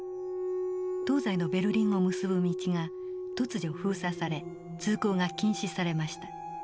東西のベルリンを結ぶ道が突如封鎖され通行が禁止されました。